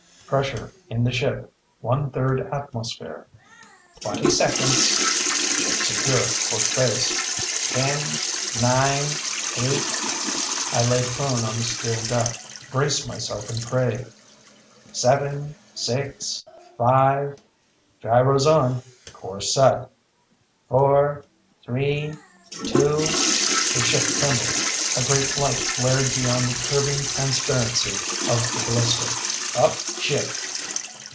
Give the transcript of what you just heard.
_" "Pressure in the ship. One third atmosphere." "Twenty seconds." "Ship secure for space." "Ten, nine, eight " I lay prone on the steel deck, braced myself and prayed. "Seven, six, five " "Gyros on. Course set." "Four, three, two " The ship trembled. A great light flared beyond the curving transparency of the blister. "_Up ship!